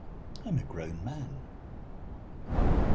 I'm a grown man.